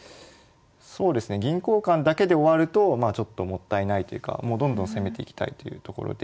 そうですね銀交換だけで終わるとちょっともったいないというかもうどんどん攻めていきたいというところで。